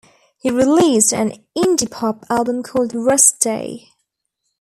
He released an Indipop album called 'Rest Day'.